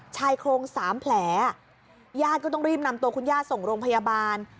ชายโครงสามแผลญาติก็ต้องรีบนำตัวคุณย่าส่งโรงพยาบาล